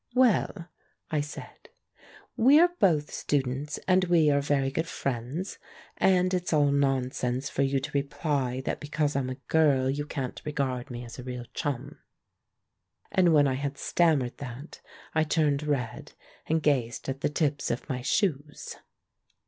"Well," I said, "we are both students, and we are very good friends, and it's all nonsense for you to reply that because I'm a girl you can't re gard me as a real chum." And when I had stam mered that, I turned red, and gazed at the tips of my shoes.